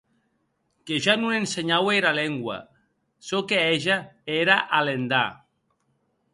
Que ja non ensenhaue era lengua; çò que hège ère alendar.